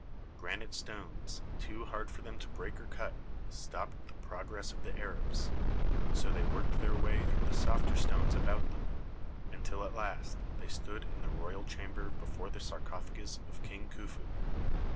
Granite stones, too hard for them to break or to cut, stopped the progress of the Arabs, so they worked their way 24 THE SEVEN WONDERS through the softer stones about them, until at last they stood in the royal chamber before the sar cophagus of King Khufu.